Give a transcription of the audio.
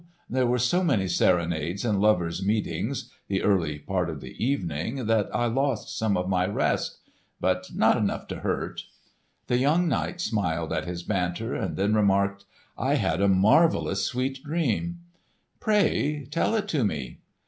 There were so many serenades and lovers' meetings, the early part of the evening, that I lost some of my rest—but not enough to hurt." The young knight smiled at his banter, then remarked, "I had a marvellous sweet dream." "Pray tell it to me."